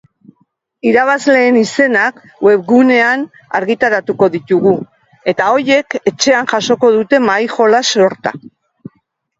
Irabazleen izenak webgunean argitaratuko ditugu, eta horiek etxean jasoko dute mahai-jolas sorta.